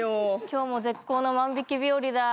今日も絶好の万引き日和だ